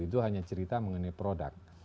itu hanya cerita mengenai produk